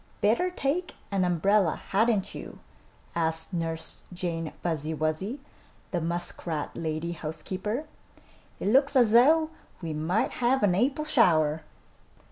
"Better take an umbrella, hadn't you?" asked Nurse Jane Fuzzy Wuzzy, the muskrat lady housekeeper. "It looks as though we might have an April shower."